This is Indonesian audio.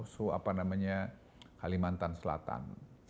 so apa namanya kalimantan selatan